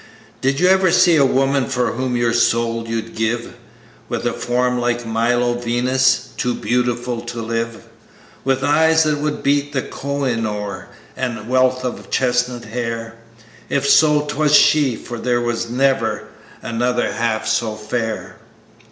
"Boys, did you ever see a girl for whom your soul you'd give, With a form like the Milo Venus, too beautiful to live; With eyes that would beat the Koh i noor, and a wealth of chestnut hair? If so, 'twas she, for there never was another half so fair.